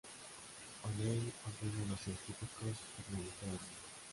O'Neill ordena a los científicos permanecer allí.